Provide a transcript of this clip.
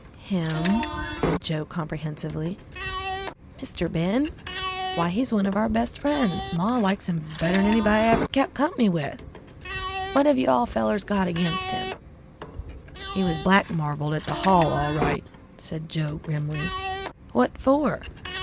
"Him," said Joe comprehensively. "Mr. Ben? Why, he's one of our best friends. Maw likes him better'n anybody I ever kept company with. What have all you fellers got against him?" "He was black marveled at the hall all right," said Joe grimly. "What for?"